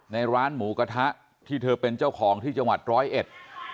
ในร้านหมูกระทะที่เธอเป็นเจ้าของที่จังหวัดร้อยเอ็ด